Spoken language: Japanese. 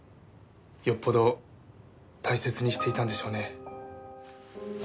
よっぽど大切にしていたんでしょうね。